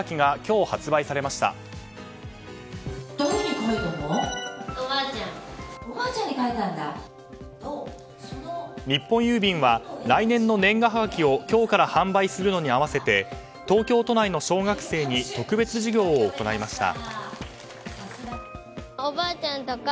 日本郵便は来年の年賀はがきを今日から販売するのに合わせて東京都内の小学生に特別授業を行いました。